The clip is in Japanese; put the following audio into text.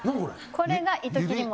これが糸切餅。